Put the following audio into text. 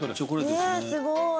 すごい！